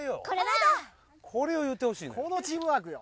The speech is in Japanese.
これを言うてほしいのよ。